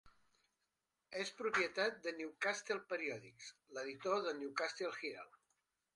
És propietat de Newcastle periòdics, l'editor del Newcastle Herald.